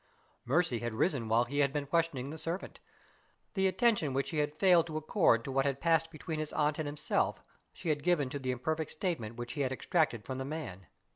Mercy had risen while he had been questioning the servant. The attention which she had failed to accord to what had passed between his aunt and himself she had given to the imperfect statement which he had extracted from the man.